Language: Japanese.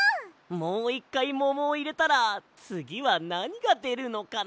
もういっかいももをいれたらつぎはなにがでるのかな？